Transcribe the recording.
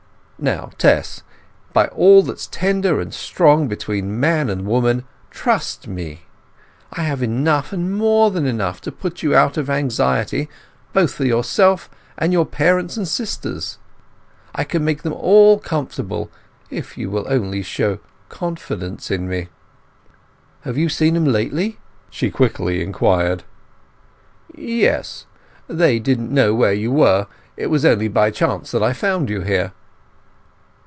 Now, Tess, by all that's tender and strong between man and woman, trust me! I have enough and more than enough to put you out of anxiety, both for yourself and your parents and sisters. I can make them all comfortable if you will only show confidence in me." "Have you seen 'em lately?" she quickly inquired. "Yes. They didn't know where you were. It was only by chance that I found you here."